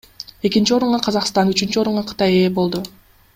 Экинчи орунга Казакстан, үчүнчү орунга Кытай ээ болду.